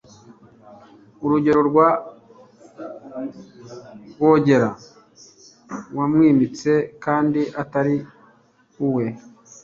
urugero rwa rwogera wamwimitse kandi atari uwe